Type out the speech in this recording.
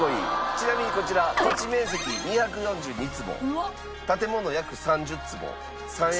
ちなみにこちら土地面積２４２坪建物約３０坪３ＬＤＫ。